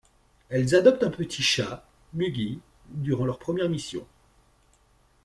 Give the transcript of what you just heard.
Elles adoptent un petit chat, Mughi, durant leur première mission.